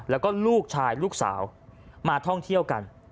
แล้วก็ลูกชายลูกสาวมาท่องเที่ยวกัน